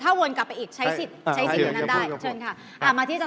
ถ้าเวลากระป่าใช้สิทธิ์ใช้สิทธิ์ประมาทไว้นี่ได้